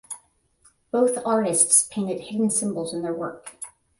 Both artists painted hidden symbols in their work.